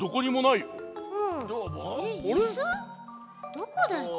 どこだち？